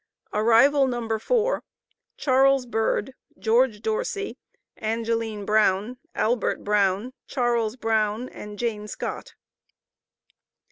Arrival No. 4. Charles Bird, George Dorsey, Angeline Brown, Albert Brown, Charles Brown and Jane Scott.